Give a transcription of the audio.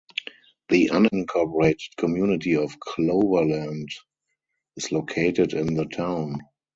The unincorporated community of Cloverland is located in the town.